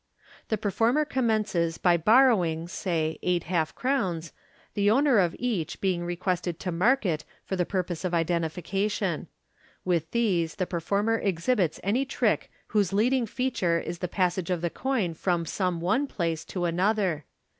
The performer commences by borrowing (say) eight half crowns, the owner of each being requested to mark it for the purpose of identification. With these the performer exhibits any trick whose heading feature is the passage of the coin from some one place to another.